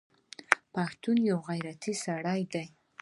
پښتون یوغیرتي سړی دی